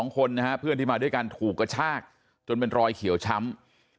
๒คนนะฮะเพื่อนที่มาด้วยกันถูกกระชากจนเป็นรอยเขียวช้ำ